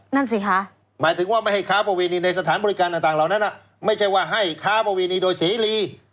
นั่นสิคะหมายถึงว่าไม่ให้ค้าประเวณีในสถานบริการต่างเหล่านั้นไม่ใช่ว่าให้ค้าประเวณีโดยเสรี